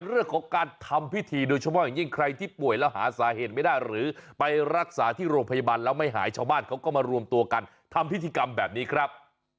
เรื่องของการทำพิธีโดยเฉพาะอย่างยิ่งใครที่ป่วยแล้วหาสาเหตุไม่ได้หรือไปรักษาที่โรงพยาบาลแล้วไม่หายชาวบ้านเขาก็มารวมตัวกันทำพิธีกรรมแบบนี้ครับ